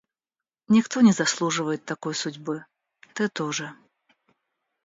Никто не заслуживает такой судьбы. Ты тоже.